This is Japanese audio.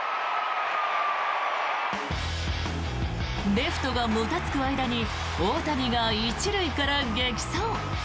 レフトがもたつく間に大谷が１塁から激走。